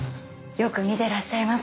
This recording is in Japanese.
よく見てらっしゃいます。